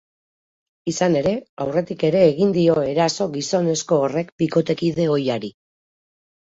Izan ere, aurretik ere egin dio eraso gizonezko horrek bikotekide ohiari.